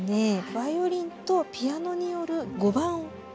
バイオリンとピアノによる５番。